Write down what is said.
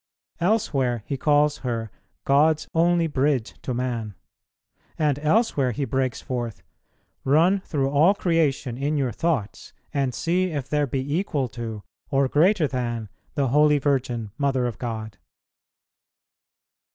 Elsewhere he calls her "God's only bridge to man;" and elsewhere he breaks forth, "Run through all creation in your thoughts, and see if there be equal to, or greater than, the Holy Virgin Mother of God."